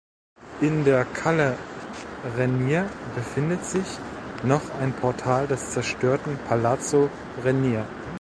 In der Calle Renier befindet sich noch ein Portal des zerstörten Palazzo Renier.